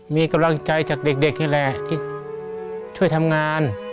มีกำลังใจจากเด็กนี่แหละที่ช่วยทำงาน